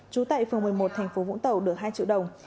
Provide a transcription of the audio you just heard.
trú tại phường một mươi một thành phố vũng tàu được hai triệu đồng